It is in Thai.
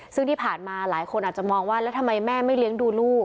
ซึ่งที่ผ่านมาหลายคนอาจจะมองว่าแล้วทำไมแม่ไม่เลี้ยงดูลูก